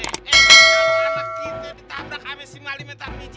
eh kita anak kita ditabrak sama si mali tarimiji